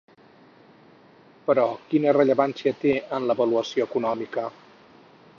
Però, quina rellevància té en l'avaluació econòmica?